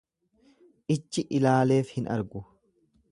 Ijji ilaaleef hin argu.